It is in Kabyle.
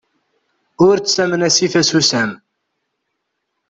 Ur ttamen asif asusam!